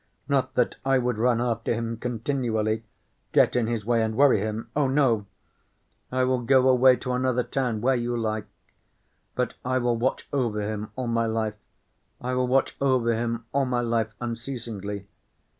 "Not that I would run after him continually, get in his way and worry him. Oh, no! I will go away to another town—where you like—but I will watch over him all my life—I will watch over him all my life unceasingly.